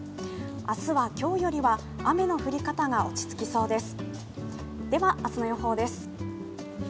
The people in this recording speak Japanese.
明日は今日よりは雨の降り方が落ち着きそうです。